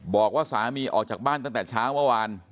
บอกว่าสามีออกจากบ้านตั้งแต่เช้าเมื่อวาน